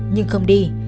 nhưng không đi